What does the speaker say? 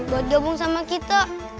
buat gabung sama kita